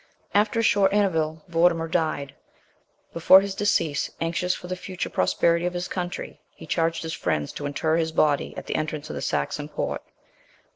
After a short interval Vortimer died; before his decease, anxious for the future prosperity of his country, he charged his friends to inter his body at the entrance of the Saxon port, viz.